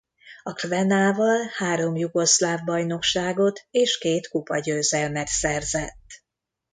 A Crvenával három jugoszláv bajnokságot és két kupagyőzelmet szerzett.